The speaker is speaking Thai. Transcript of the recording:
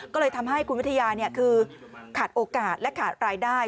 ก็เลยทำให้คุณวิทยาคือขาดโอกาสและขาดรายได้